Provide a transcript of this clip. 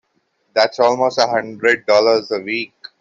That's almost a hundred dollars a week!